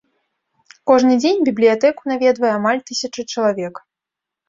Кожны дзень бібліятэку наведвае амаль тысяча чалавек.